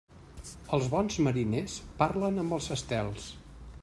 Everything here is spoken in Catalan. Els bons mariners parlen amb els estels.